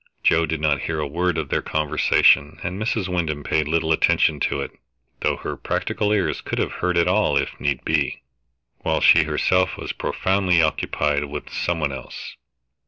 Joe did not hear a word of their conversation, and Mrs. Wyndham paid little attention to it, though her practiced ears could have heard it all if need be, while she herself was profoundly occupied with some one else.